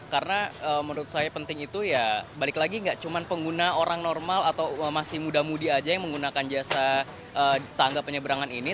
karena menurut saya penting itu ya balik lagi nggak cuma pengguna orang normal atau masih muda mudi aja yang menggunakan jasa tangga penyebrangan ini